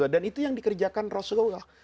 dan itu yang dikerjakan rasulullah